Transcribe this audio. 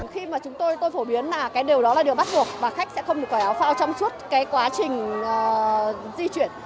khi mà chúng tôi phổ biến là cái điều đó là điều bắt buộc và khách sẽ không được mặc áo phao trong suốt quá trình di chuyển